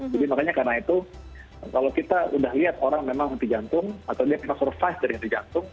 jadi makanya karena itu kalau kita sudah lihat orang memang henti jantung atau dia pernah survive dari henti jantung